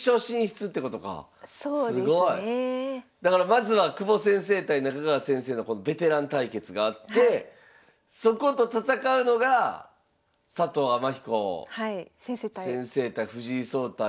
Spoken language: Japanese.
まずは久保先生対中川先生のベテラン対決があってそこと戦うのが佐藤天彦先生対藤井聡太